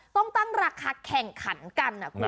ต้องตั้งราคาแข่งขันกัน